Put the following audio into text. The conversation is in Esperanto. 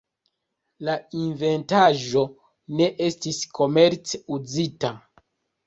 La inventaĵo ne estis komerce uzita.